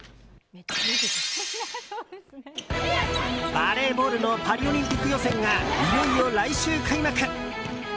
バレーボールのパリオリンピック予選がいよいよ来週開幕。